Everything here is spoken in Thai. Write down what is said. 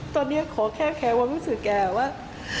ตอนนี้ขอแค่ว่ารู้สึกแกว่า